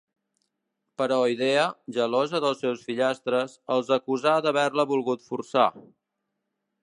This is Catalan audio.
Però Idea, gelosa dels seus fillastres, els acusà d'haver-la volgut forçar.